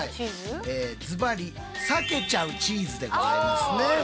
ずばりさけちゃうチーズでございますね。